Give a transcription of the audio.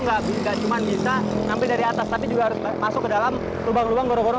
enggak cuma bisa ngambil dari atas tapi juga masuk ke dalam lubang lubang gorong gorong